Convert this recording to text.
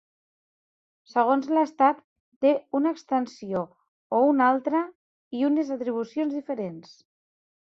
Segons l'Estat, té una extensió o una altra i unes atribucions diferents.